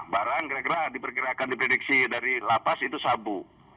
barang kira kira diperkirakan diprediksi dari lapas itu sabu